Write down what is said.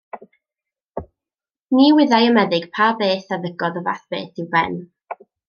Ni wyddai y meddyg pa beth a ddygodd y fath beth i'w ben.